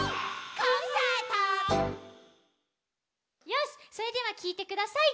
よしそれではきいてください。